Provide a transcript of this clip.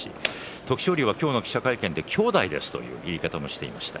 徳勝龍は今日の記者会見で兄弟ですという言い方をしていました。